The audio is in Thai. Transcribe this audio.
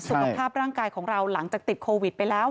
สุขภาพร่างกายของเราหลังจากติดโควิดไปแล้ว